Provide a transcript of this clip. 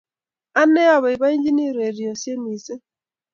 Ane apoipoichini ureryosek missing'